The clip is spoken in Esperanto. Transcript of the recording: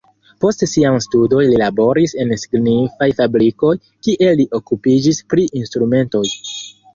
Post siaj studoj li laboris en signifaj fabrikoj, kie li okupiĝis pri instrumentoj.